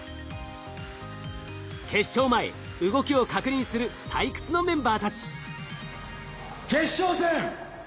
決勝前動きを確認する採掘のメンバーたち。